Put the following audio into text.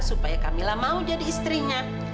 supaya kamilah mau jadi istrinya